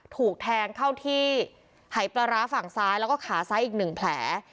ถูกแทงเข้าที่ไห้ประลาฮ่ะฝั่งซ้ายแล้วก็ขาไส้อีกหนึ่งแผล